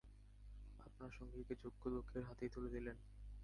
আপনার সঙ্গীকে যোগ্য লোকের হাতেই তুলে দিলেন।